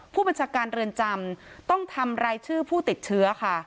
ผู้บัญชาการเรือนจำต้องทำรายชื่อผู้ติดเชื้อค่ะ